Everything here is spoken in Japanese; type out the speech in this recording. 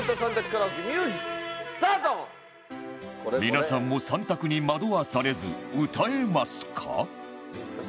皆さんも３択に惑わされず歌えますか？